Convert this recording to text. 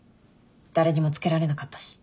誰にも付けられなかったし。